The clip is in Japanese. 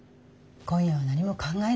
今夜は何も考えない。